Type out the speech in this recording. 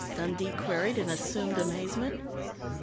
Dundee queried in assumed amazement.